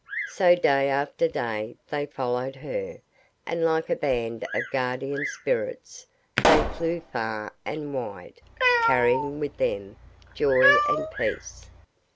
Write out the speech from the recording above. So day after day they followed her, and like a band of guardian spirits they flew far and wide, carrying with them joy and peace.